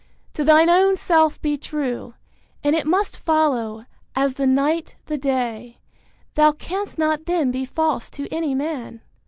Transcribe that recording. "To thine own self be true, And it must follow, as the night the day, Thou canst not then be false to any man."